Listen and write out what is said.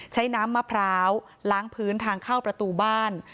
น้ำมะพร้าวล้างพื้นทางเข้าประตูบ้าน